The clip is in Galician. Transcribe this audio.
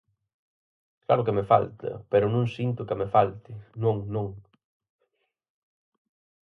Claro que me falta, pero non sinto que me falte: non, non.